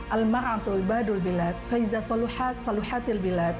al mar'atu ibadu bilat fa'iza saluhat saluhatil bilat